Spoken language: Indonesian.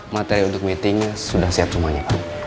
materi untuk meetingnya sudah siap semuanya